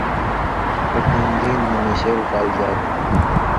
سو کام دین مہ نشیل کالژا تھُو۔